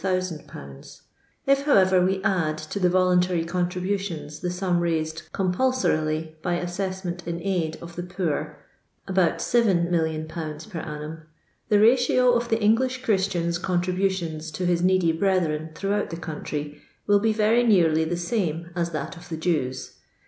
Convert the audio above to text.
If, however, we add to the voluntary contributions the sum raised compulsorily by assessment in aid of the poor (about 7,000,000/. per annum), the ratio of the English Christian's contributions to his needy brethren throughout the country will be very nearly the same as that of the Jew's.